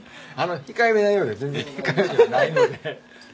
控えめなようで全然控えめじゃないので。